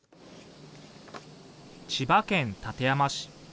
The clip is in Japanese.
千葉県館山市。